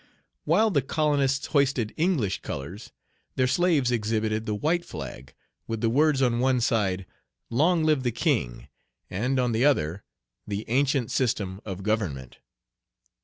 While the colonists hoisted English colors, their slaves exhibited the white flag, with the words on one side, Long live the king; and, on the other, The ancient system of government.